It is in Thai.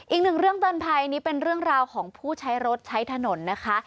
อีกหนึ่งเรื่องเตือนภัยนี้เป็นเรื่องราวของผู้ใช้รถใช้ถนนนะคะ